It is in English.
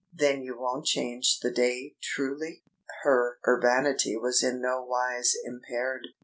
"Then you won't change the day, truly?" Her urbanity was in no wise impaired.